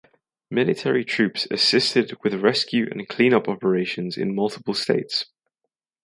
Military troops assisted with rescue and cleanup operations in multiple states.